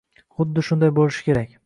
xuddi shunday bo‘lishi kerak